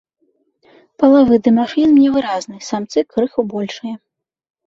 Палавы дымарфізм невыразны, самцы крыху большыя.